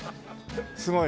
すごい